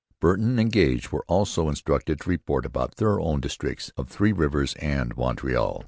Burton and Gage were also instructed to report about their own districts of Three Rivers and Montreal.